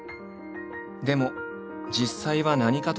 でも実際は何かと難しい。